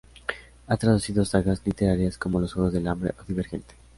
Ha traducido sagas literarias como "Los juegos del hambre" o "Divergente".